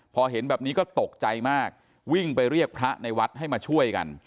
พอเห็นแบบนี้ก็ตกใจมากวิ่งไปเรียกพระในวัดให้มาช่วยกัน